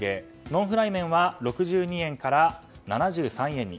ノンフライ麺は６２円から７３円に。